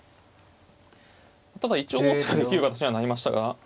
ただ一応王手ができる形にはなりましたが。